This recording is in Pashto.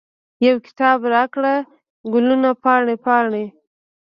یو کتاب راکړه، ګلونه پاڼې، پاڼې